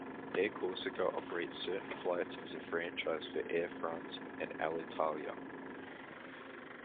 Air Corsica operates certain flights as a franchise for Air France and Alitalia.